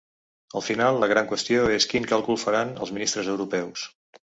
Al final la gran qüestió és quin càlcul faran els ministres europeus.